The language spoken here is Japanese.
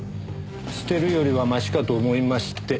捨てるよりはマシかと思いまして。